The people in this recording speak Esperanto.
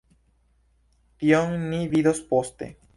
Tion ni vidos poste.